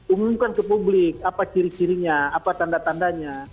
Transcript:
umumkan ke publik apa ciri cirinya apa tanda tandanya